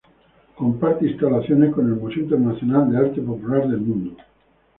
Comparte instalaciones con el Museo Internacional de Arte Popular del Mundo.